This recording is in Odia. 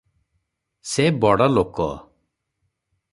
ସେ ବଡ଼ ଲୋକ ।